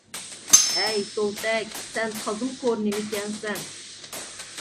ھەي سولتەك، سەن تازىمۇ كور نېمە ئىكەنسەن!